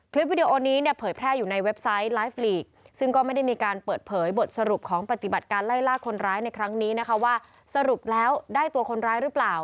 วิดีโอนี้เนี่ยเผยแพร่อยู่ในเว็บไซต์ไลฟ์ลีกซึ่งก็ไม่ได้มีการเปิดเผยบทสรุปของปฏิบัติการไล่ล่าคนร้ายในครั้งนี้นะคะว่าสรุปแล้วได้ตัวคนร้ายหรือเปล่า